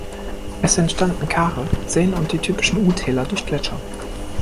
Es entstanden Kare, Seen und die typischen U-Täler durch Gletscher.